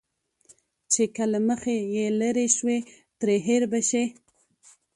چې که له مخه يې لرې شوې، ترې هېر به شې.